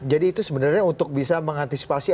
jadi itu sebenarnya untuk bisa mengantisipasi